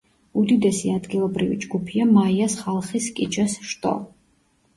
უდიდესი ადგილობრივი ჯგუფია მაიას ხალხის კიჩეს შტო.